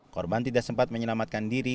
korban tidak sempat menyelamatkan diri